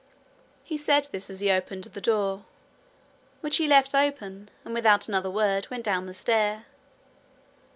He said this as he opened the door, which he left open, and, without another word, went down the stair.